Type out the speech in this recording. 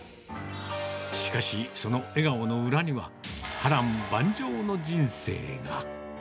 しかし、その笑顔の裏には、波乱万丈の人生が。